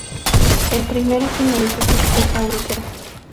El primero simboliza su riqueza aurífera.